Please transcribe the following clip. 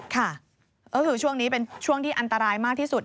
ค่ะก็คือช่วงนี้เป็นช่วงที่อันตรายมากที่สุด